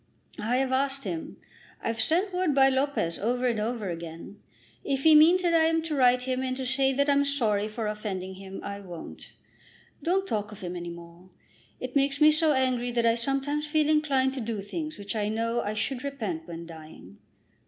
"I have asked him. I've sent word by Lopez over and over again. If he means that I am to write to him and say that I'm sorry for offending him, I won't. Don't talk of him any more. It makes me so angry that I sometimes feel inclined to do things which I know I should repent when dying."